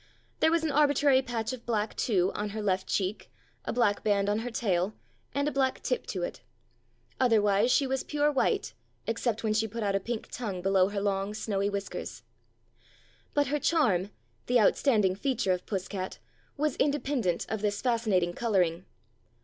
There was an arbitrary patch of black, too, on her left cheek, a black band on her tail, and a black tip to it. Otherwise she was pure white, except when she put out a pink tongue below her long, snowy whiskers. But her charm — the outstanding feature of Puss cat — was independent of this fascinating colouring.